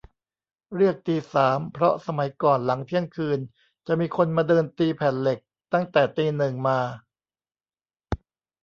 เรียกตีสาม เพราะสมัยก่อนหลังเที่ยงคืน จะมีคนมาเดินตีแผ่นเหล็กตั้งแต่ตีหนึ่งมา